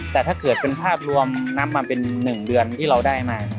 แต่ถ้าเกิดเป็นภาพรวมนับมาเป็น๑เดือนที่เราได้มา